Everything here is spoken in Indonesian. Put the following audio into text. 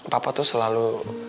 papa tuh selalu